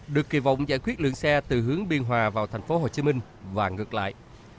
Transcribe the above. được kỳ vọng giải quyết lượng xe từ hướng biên hòa vào thành phố hồ chí minh và ngược lại